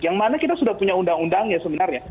yang mana kita sudah punya undang undang ya sebenarnya